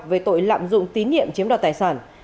về tội lạm dụng tín nhiệm chiếm đoạt tài sản